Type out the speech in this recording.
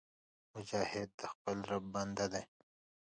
مجاهد د خپل رب بنده دی